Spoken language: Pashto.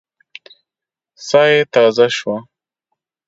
ساه يې تازه شوه.